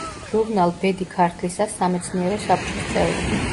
ჟურნალ „ბედი ქართლისას“ სამეცნიერო საბჭოს წევრი.